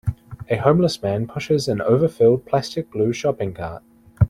A homeless man pushes an overfilled plastic blue shopping cart.